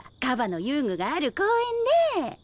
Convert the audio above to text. カバの遊具がある公園で。